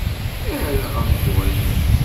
Err aɣenbur-im.